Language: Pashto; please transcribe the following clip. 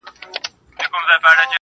سم لكه ماهى يو سمندر تر ملا تړلى يم~